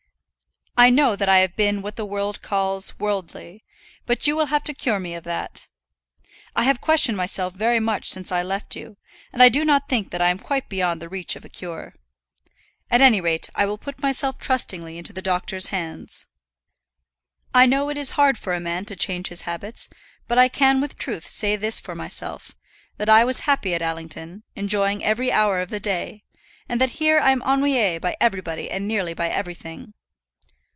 I know that I have been what the world calls worldly, but you will have to cure me of that. I have questioned myself very much since I left you, and I do not think that I am quite beyond the reach of a cure. At any rate, I will put myself trustingly into the doctor's hands. I know it is hard for a man to change his habits; but I can with truth say this for myself, that I was happy at Allington, enjoying every hour of the day, and that here I am ennuyé by everybody and nearly by everything.